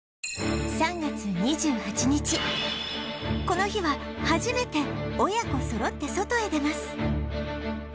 この日は初めて親子そろって外へ出ます